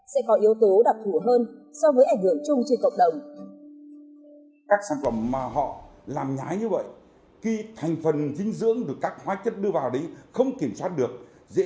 sẽ có yếu tố đặc thù hơn so với ảnh hưởng chung trên cộng đồng